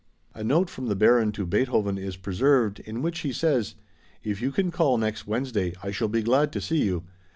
A note from the Baron to Beethoven is preserved, in which he says, "If you can call next Wednesday I shall be glad to see you.